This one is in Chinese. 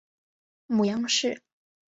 母杨氏。